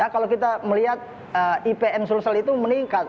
kalau kita melihat ipn sulsel itu meningkat